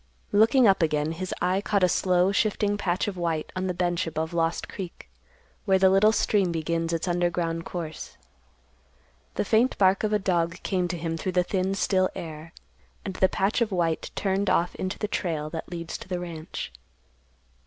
Looking up again, his eye caught a slow, shifting patch of white on the bench above Lost Creek, where the little stream begins its underground course. The faint bark of a dog came to him through the thin still air, and the patch of white turned off into the trail that leads to the ranch.